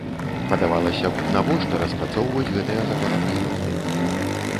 Падавалася б, навошта распрацоўваць гэтыя законапраекты?